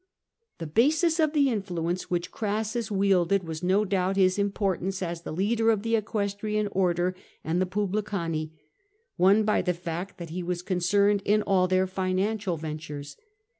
The basis of the influence which Crassus wielded was no doubt his importance as the leader of the Equestrian Order and the puhlicani, won by the fact that he was con cerned in all their financial ventures.